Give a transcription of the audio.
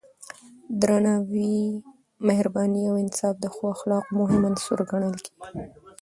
درناوی، مهرباني او انصاف د ښو اخلاقو مهم عناصر ګڼل کېږي.